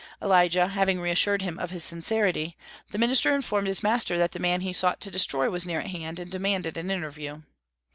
Elijah having reassured him of his sincerity, the minister informed his master that the man he sought to destroy was near at hand, and demanded an interview.